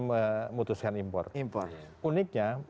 memutuskan impor uniknya